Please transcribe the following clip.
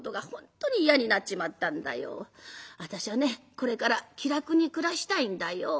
これから気楽に暮らしたいんだよ」。